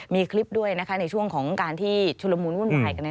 มีคลิปด้วยในช่วงของการที่ชุลมูลวุ่นวายกัน